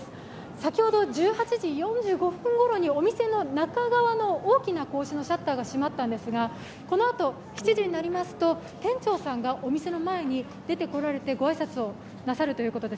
先ほど１８時４５分ごろにお店の中側の大きな格子のシャッターが閉まったんですがこのあと、７時になりますと、店長さんがお店の前に出てこられてご挨拶をなさるということです。